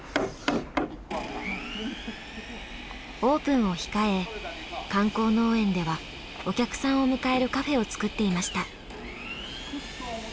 オープンを控え観光農園ではお客さんを迎えるカフェをつくっていました。